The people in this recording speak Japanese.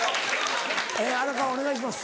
荒川お願いします。